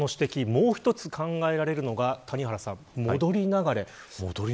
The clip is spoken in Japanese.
もう一つ考えられるのが戻り流れ。